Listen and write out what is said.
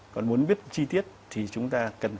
còn muốn viết chi tiết thì chúng ta cải thiện cho nó